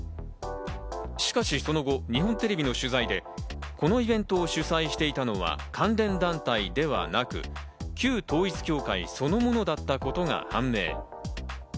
しかし、その後、日本テレビの取材でこのイベントを主催していたのは関連団体ではなく、旧統一教会そのものだったことが判明。